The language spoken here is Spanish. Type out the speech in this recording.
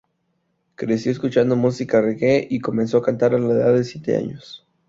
Creció escuchando música reggae y comenzó a cantar a la edad de siete años.